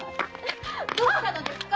〔どうしたのですか？